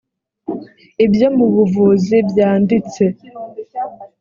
ibyo mu buvuzi byanditse